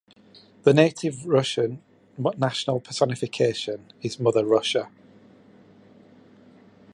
The native Russian national personification is Mother Russia.